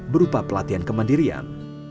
berupa pelatihan kemandirian